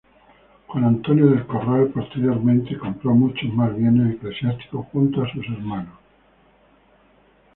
Juan Antonio del Corral, posteriormente, compró muchos más bienes eclesiásticos junto a sus hermanos.